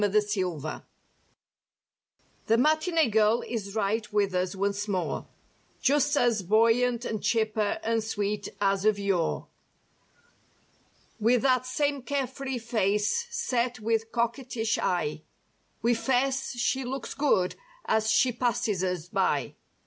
140 THE MATINEE GIRL The matinee girl is right with us once more; Just as bouyant and chipper and sweet as of yore; With that same care free face set with coquetish eye We 'fess—"she looks good," as she passes us by.